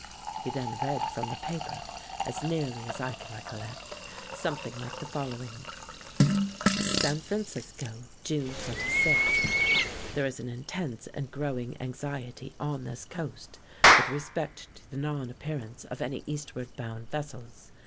He then read from the paper, as nearly as I can recollect, something like the following: SAN FRANCISCO, June 26. There is an intense and growing anxiety on this coast with respect to the non appearance of any eastward bound vessels.